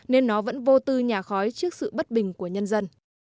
nên nó vẫn vô tư nhà khói trước sự bất bình của nhân dân